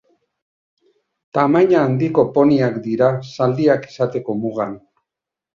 Tamaina handiko poniak dira, zaldiak izateko mugan.